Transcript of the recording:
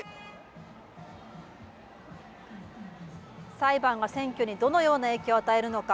裁判が選挙にどのような影響を与えるのか。